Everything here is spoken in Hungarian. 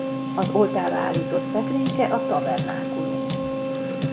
Az oltárra állított szekrényke a tabernákulum.